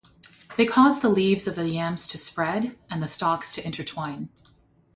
They cause the leaves of the yams to spread and the stalks to intertwine.